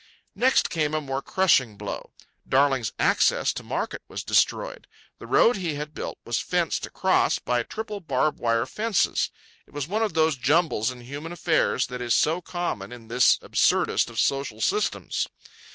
Next came a more crushing blow. Darling's access to market was destroyed. The road he had built was fenced across by triple barb wire fences. It was one of those jumbles in human affairs that is so common in this absurdest of social systems.